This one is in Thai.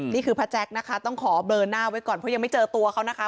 นี่คือพระแจ๊คนะคะต้องขอเบลอหน้าไว้ก่อนเพราะยังไม่เจอตัวเขานะคะ